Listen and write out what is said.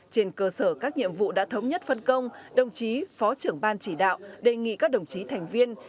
trên cơ sở các nhiệm vụ đã thống nhất phân công đồng chí phó trưởng ban chỉ đạo đề nghị các đồng chí thành viên